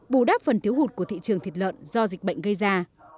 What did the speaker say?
bù đắp phần thiếu hụt của thị trường thịt lợn do dịch bệnh gây ra